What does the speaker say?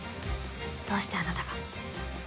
どうしてあなたが？